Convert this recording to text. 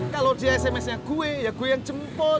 kalau di sms nya gue ya gue yang jemput